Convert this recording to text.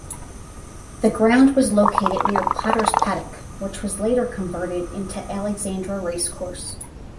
The ground was located near Potters Paddock which was later converted into Alexandra Racecourse.